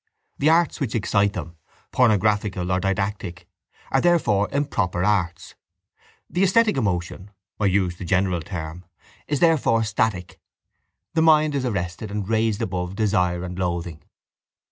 The arts which excite them, pornographical or didactic, are therefore improper arts. The esthetic emotion (I used the general term) is therefore static. The mind is arrested and raised above desire and loathing.